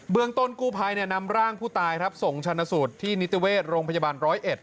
เบืองต้นกูภัยเนี่ยนำร่างผู้ตายส่งชนสุดที่นิตเวศโรงพยาบาล๑๐๑